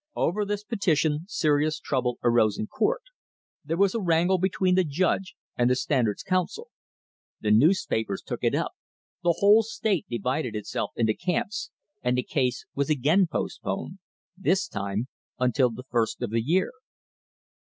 Over this petition serious trouble arose in court — there was a wrangle between the judge and the Standard's counsel. The newspapers took it up — the whole state divided itself into camps, and the case was again postponed, this time until the first of the year.